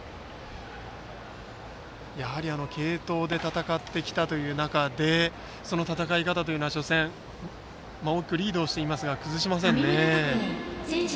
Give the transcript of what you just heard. やはり継投で戦ってきたという中でその戦い方というのは、初戦から大きくリードしていますが崩しませんね。